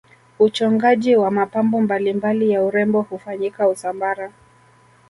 uchongaji wa mapambo mbalimbali ya urembo hufanyika usambara